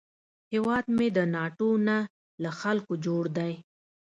هیواد مې د ناټو نه، له خلکو جوړ دی